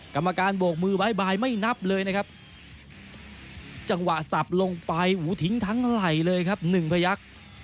กรรมการโบกมือบ๊ายบายไม่นับเลยนะครับจังหวะสับลงไปหูทิ้งทั้งไหล่เลยครับหนึ่งพยักษ์